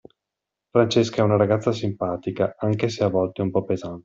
Francesca è una ragazza simpatica, anche se a volte un po' pesante.